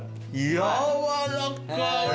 やわらか！